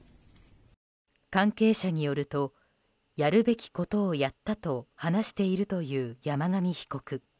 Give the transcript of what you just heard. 関係者によるとやるべきことをやったと話しているという山上被告。